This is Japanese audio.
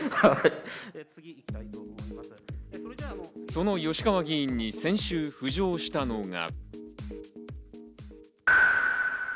その吉川議員に先週、浮上したのが。